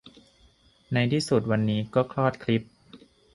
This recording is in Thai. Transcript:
ในที่สุดวันนี้ก็คลอดคลิป